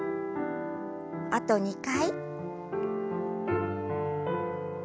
あと２回。